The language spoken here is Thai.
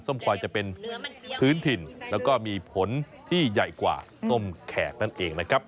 ควายจะเป็นพื้นถิ่นแล้วก็มีผลที่ใหญ่กว่าส้มแขกนั่นเองนะครับ